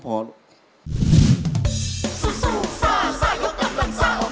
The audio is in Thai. พอภูมิใจที่สุด